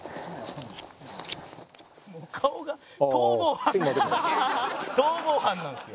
「もう顔が逃亡犯逃亡犯なんですよ」